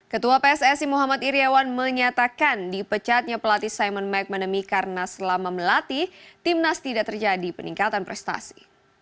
ketua pssi muhammad iryawan menyatakan dipecatnya pelatih simon mcmanamy karena selama melatih timnas tidak terjadi peningkatan prestasi